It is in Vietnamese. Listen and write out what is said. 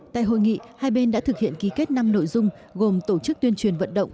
tại hội nghị hai bên đã thực hiện ký kết năm nội dung gồm tổ chức tuyên truyền vận động